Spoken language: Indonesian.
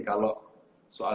kalau soal tujuh belas tujuh belas